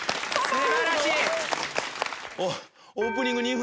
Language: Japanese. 素晴らしい！